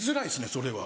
それは。